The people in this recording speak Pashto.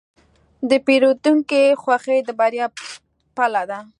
د پیرودونکي خوښي د بریا پله ده.